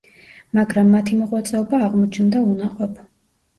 მაგრამ მათი მოღვაწეობა აღმოჩნდა უნაყოფო.